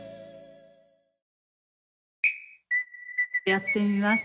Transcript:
やってみます